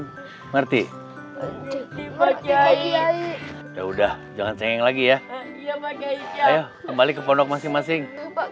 hai marti marti ya udah jangan sengit lagi ya iya bagai kembali ke pondok masing masing